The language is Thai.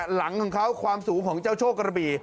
หลังของเขาความสูงของเจ้าโชคกระบี่